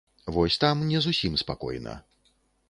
Вось там не зусім спакойна.